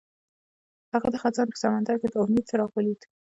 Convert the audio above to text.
هغه د خزان په سمندر کې د امید څراغ ولید.